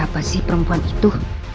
siapa sih perempuan itu